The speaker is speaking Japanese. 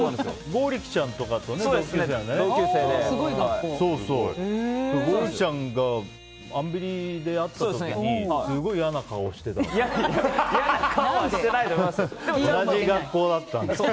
剛力ちゃんが「アンビリ」で会った時にすごい嫌な顔をしてたんですよ。